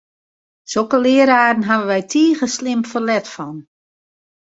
Sokke leararen hawwe wy tige slim ferlet fan!